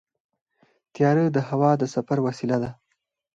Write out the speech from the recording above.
طیاره د هوا د سفر وسیله ده.